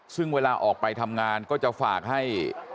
ซึ่งเวลาออกไปทำงานก็จะฝากให้